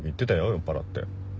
酔っぱらって。